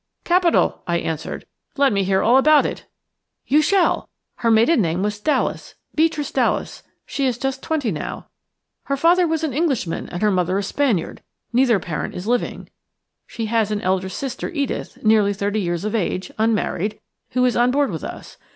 "Capital," I answered. "Let me hear all about it." "You shall. Her maiden name was Dallas; Beatrice Dallas. She is just twenty now. Her father was an Englishman and her mother a Spaniard; neither parent is living. She has an elder sister, Edith, nearly thirty years of age, unmarried, who is on board with us.